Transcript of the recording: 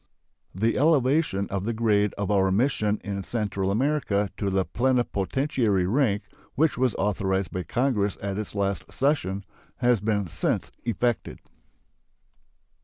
The elevation of the grade of our mission in Central America to the plenipotentiary rank, which was authorized by Congress at its late session, has been since effected.